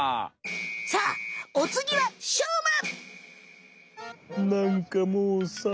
さあおつぎはしょうま！